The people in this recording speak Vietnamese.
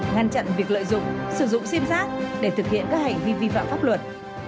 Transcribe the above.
ngăn chặn việc lợi dụng sử dụng sim giác để thực hiện các hành vi vi phạm pháp luật